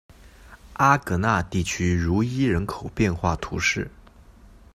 阿戈讷地区茹伊人口变化图示